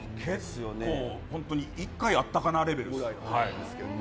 本当に１回あったかなレベルです。